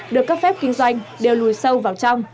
được cấp phép kinh doanh đều lùi sâu vào trong